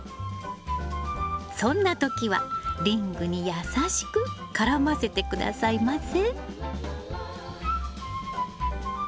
そんな時はリングに優しく絡ませて下さいませ。